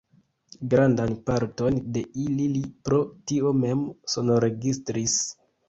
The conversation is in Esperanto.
Grandan parton de ili li pro tio mem sonregistris.